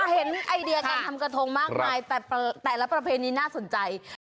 เห็นไอเดียการทำกระทงมากมายแต่แต่ละประเพณีน่าสนใจ